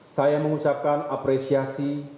saya mengucapkan apresiasi